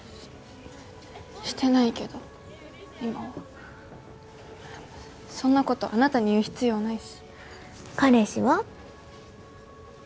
ししてないけど今はそんなことあなたに言う必要ないし彼氏は？